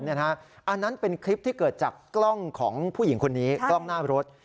อันนั้นเป็นคลิปที่เกิดจากกล้องของผู้หญิงคนนี้กล้องหน้ารถ